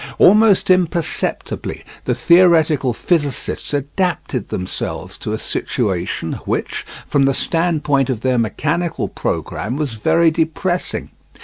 Almost imperceptibly the theoretical physicists adapted themselves to a situation which, from the standpoint of their mechanical programme, was very depressing.